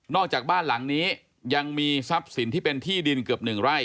จากบ้านหลังนี้ยังมีทรัพย์สินที่เป็นที่ดินเกือบ๑ไร่